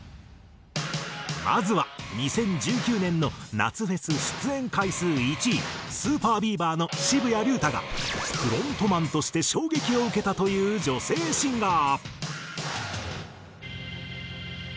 まずは２０１９年の夏フェス出演回数１位ＳＵＰＥＲＢＥＡＶＥＲの渋谷龍太がフロントマンとして衝撃を受けたという女性シンガー。